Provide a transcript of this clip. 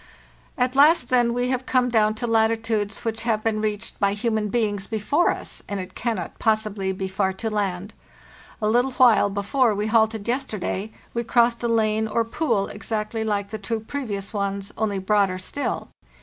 At last, then, we have come down to latitudes which have been reached by human beings before us, and it cannot possibly be far to land. A little while before we halted yesterday we crossed a lane or pool exactly like the two previous ones, only broader still.